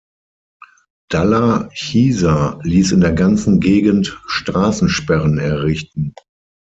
Dalla Chiesa ließ in der ganzen Gegend Straßensperren errichten.